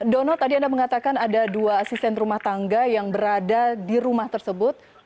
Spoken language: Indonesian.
dono tadi anda mengatakan ada dua asisten rumah tangga yang berada di rumah tersebut